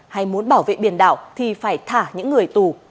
hay muốn bảo vệ biển đảo thì phải thả những người tù